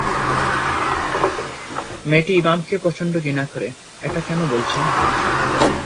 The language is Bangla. মেয়েটি ইমামকে প্রচণ্ড ঘৃণা করে, এটা কেন বলছেন?